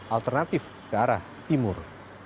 alternatif ke arah timur